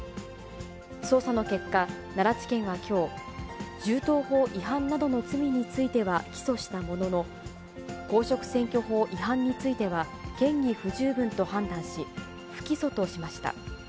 捜査の結果、奈良地検はきょう、銃刀法違反などの罪については起訴したものの、公職選挙法違反については嫌疑不十分と判断し、不起訴としました。